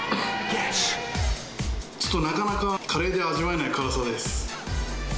ちょっとなかなかカレーで味わえない辛さです。